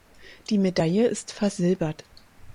Die Medaille ist versilbert.